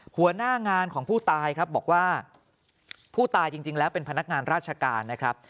หัวหน้างานของผู้ตายครับบอกว่าผู้ตายจริงแล้วเป็นพนักงานราชการนะครับ